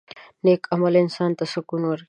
• نیک عمل انسان ته سکون ورکوي.